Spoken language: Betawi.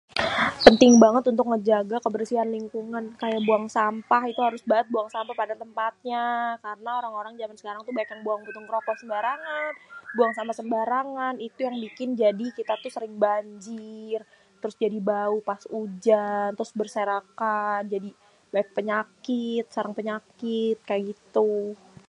Penting banget untuk ngejaga kebersihan lingkungan kaya buang sampah itu harus bat buang sampah pada tempatnya karna orang-orang tuh jaman sekarang banyak bat buang puntung roko sembarangan, buang sampah sembarangan. Itu yang bikin menjadi kita tuh sering banjir trus jadi bau pas ujan trus berserakan jadi penyakit sarang penyakit kaya gitu.